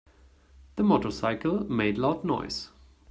The motorcycle made loud noise.